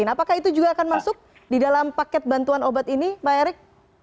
apakah itu juga akan masuk di dalam paket bantuan obat ini pak erick